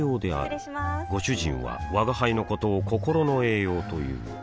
失礼しまーすご主人は吾輩のことを心の栄養という